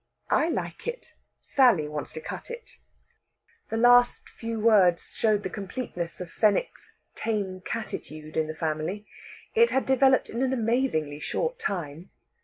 "I like it. Sally wants to cut it...." The last few words showed the completeness of Fenwick's tame cattitude in the family. It had developed in an amazingly short time.